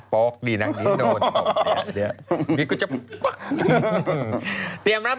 โป๊ะดีนะนี่โดนตก